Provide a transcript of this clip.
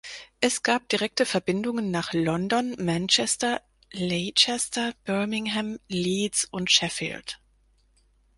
Es gab direkte Verbindungen nach London, Manchester, Leicester, Birmingham, Leeds und Sheffield.